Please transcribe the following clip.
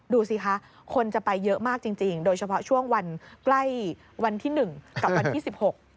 ดูสิคะคนจะไปเยอะมากจริงโดยเฉพาะช่วงวันใกล้วันที่๑กับวันที่๑๖